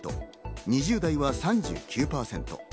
２０代は３９％。